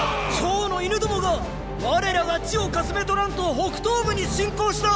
趙の犬どもが我らが地をかすめ取らんと北東部に侵攻した！！